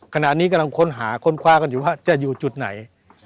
ขณะนี้กำลังค้นหาค้นคว้ากันอยู่ว่าจะอยู่จุดไหน